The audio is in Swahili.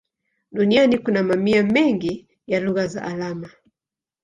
Duniani kuna mamia mengi ya lugha za alama.